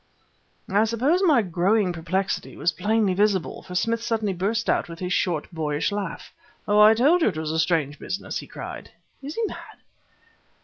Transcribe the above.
I suppose my growing perplexity was plainly visible, for Smith suddenly burst out with his short, boyish laugh. "Oh! I told you it was a strange business," he cried. "Is he mad?"